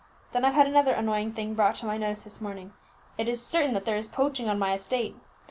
Then I've had another annoying thing brought to my notice this morning: it is certain that there is poaching on my estate.